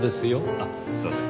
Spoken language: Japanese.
あっすみません。